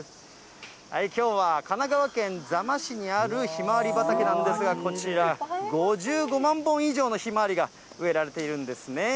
きょうは神奈川県座間市にあるひまわり畑なんですが、こちら、５５万本以上のひまわりが植えられているんですね。